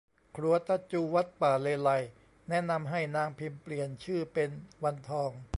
ขรัวตาจู วัดป่าเลไลย แนะนำให้นางพิมเปลี่ยนชื่อเป็นวันทอง